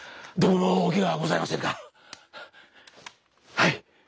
はい！